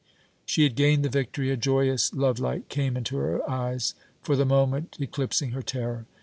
'" She had gained the victory. A joyous love light came into her eyes, for the moment eclipsing her terror.